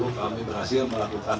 umur lima puluh satu tahun